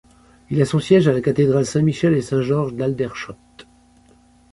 Il a son siège à la cathédrale Saint-Michel et Saint-George d'Aldershot.